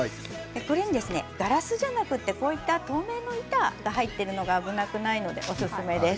これにガラスじゃなくて透明な板が入っているものが危なくないのでおすすめです。